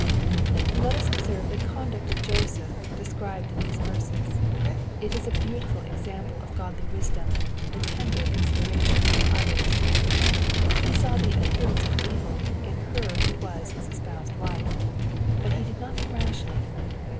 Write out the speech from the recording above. Let us observe the conduct of Joseph described in these verses. It is a beautiful example of godly wisdom, and tender consideration for others. He saw the " appear ance of evil" in her who was his espoused wife. But he did nothing rashly.